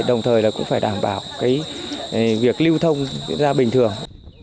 đồng thời là cũng phải đảm bảo việc lưu thông ra bình thường